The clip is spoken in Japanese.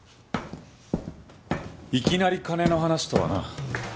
いきなり金の話とはな。